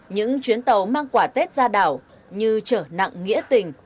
những chuyến tàu mang quả tết ra đảo như trở nặng nghĩa tình